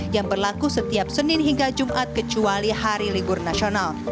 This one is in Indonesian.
yang berlaku setiap senin hingga jumat kecuali hari libur nasional